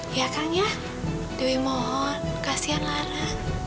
iya kang ya dewi mohon kasihan lara